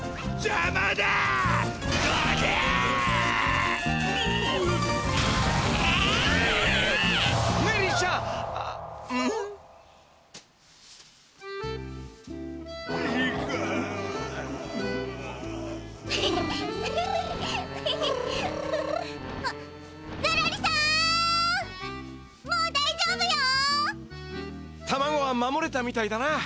タマゴは守れたみたいだな。